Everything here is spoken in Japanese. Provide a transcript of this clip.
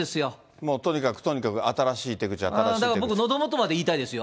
もうとにかくとにかく、だから僕、のどもとまで言いたいですよ。